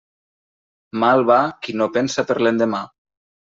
Mal va qui no pensa per l'endemà.